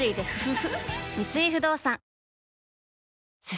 三井不動産進